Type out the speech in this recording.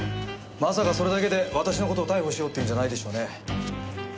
まさかそれだけで私の事を逮捕しようって言うんじゃないでしょうね？